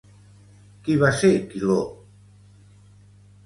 Qui va ser Quiló?